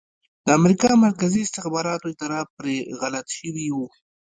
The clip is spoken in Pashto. د امریکا مرکزي استخباراتو اداره پرې غلط شوي وو